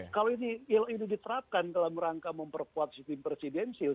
kalau ini diterapkan dalam rangka memperkuat sistem presidensil